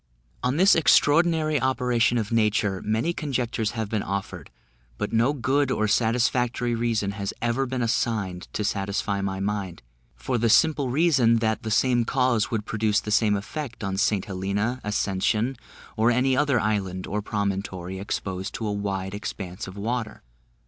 On this extraordinary operation of nature, many conjectures have been offered, but no good or satisfactory reason has ever been assigned to satisfy my mind; for the simple reason, that the same causes would produce the same effect on St Helena, Ascension, or any other island or promontory exposed to a wide expanse of water.